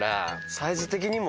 サイズ的にも。